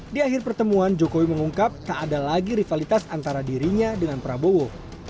di akhir pertemuan jokowi mengungkap tak ada lagi rivalitas antara dirinya dengan prabowo